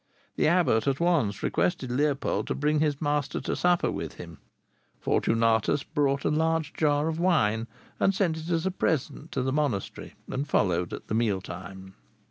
The abbot at once requested Leopold to bring his master to supper with him. Fortunatus bought a large jar of wine and sent it as a present to the monastery, and followed at the meal time.